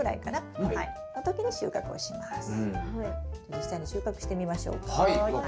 実際に収穫してみましょうか。